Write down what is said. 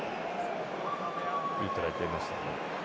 いいトライ決めましたね。